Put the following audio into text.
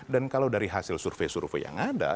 dan kalau dari hasil survei survei yang ada